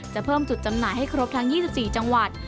เพิ่มจุดจำหน่ายให้ครบทั้ง๒๔จังหวัด